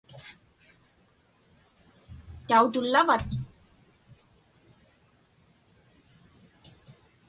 Tautullavat?